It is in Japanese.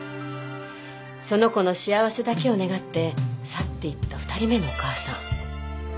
その子の幸せだけを願って去っていった２人目のお母さん。